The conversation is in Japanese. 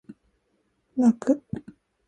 泣く